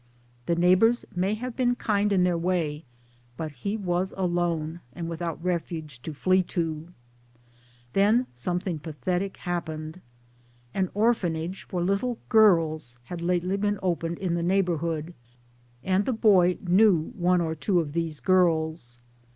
The neighbours may have been kind in their way, but he was alone and without refuge to flee to. Then some thing pathetic happened. An orphanage for little girls had lately been opened in the neighborhood, and the boy knew one or two of these girls.